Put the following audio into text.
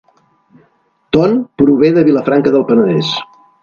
Ton prové de Vilafranca del Penedès